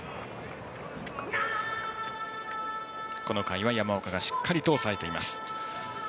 この回は山岡がしっかりと抑えています。